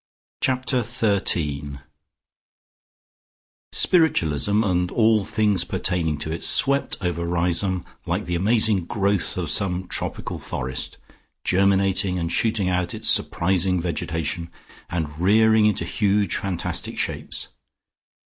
Chapter THIRTEEN Spiritualism, and all things pertaining to it, swept over Riseholme like the amazing growth of some tropical forest, germinating and shooting out its surprising vegetation, and rearing into huge fantastic shapes.